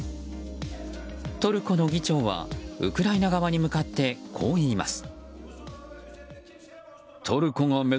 トルコの議長はウクライナ側に向かってこう言います。